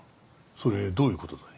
それどういう事だい？